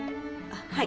はい。